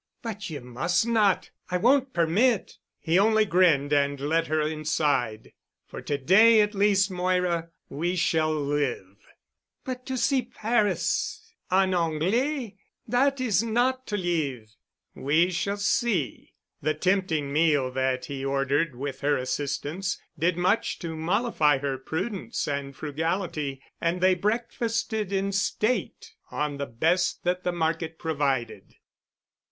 "But you must not—I won't permit——" He only grinned and led her inside. "For to day at least, Moira, we shall live." "But to see Paris, en Anglais, that is not to live——" "We shall see." The tempting meal that he ordered with her assistance, did much to mollify her prudence and frugality and they breakfasted in state on the best that the market provided.